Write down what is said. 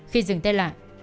khi dừng tay lại